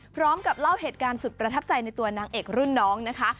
พร้อมกับเล่าเหตุการณ์สุดประทับใจในตัวนางเอกรุ่นน้องนะคะ